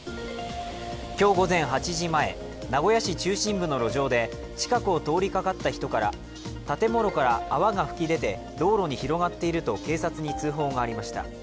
今日午前８時前、名古屋市中心部の路上で近くを通りかかった人から建物から泡が噴き出て道路に広がっていると警察に通報がありました。